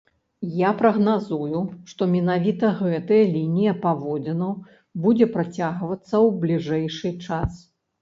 Я прагназую, што менавіта гэтая лінія паводзінаў будзе працягвацца ў бліжэйшы час.